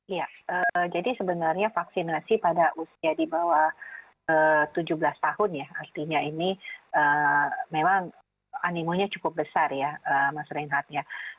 iya jadi sebenarnya vaksinasi pada usia di bawah tujuh belas tahun ya artinya ini memang animonya cukup besar ya mas reinhardt ya